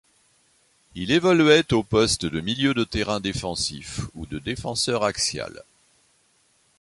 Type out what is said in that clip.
Il évoluait au poste de milieu de terrain défensif ou de défenseur axial.